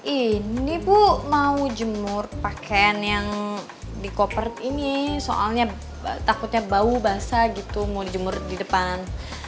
ini bu mau jemur pakaian yang di koper ini soalnya takutnya bau basah gitu mau dijemur di depan